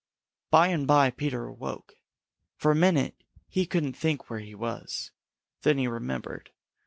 By and by Peter awoke. For a minute he couldn't think where he was. Then he remembered.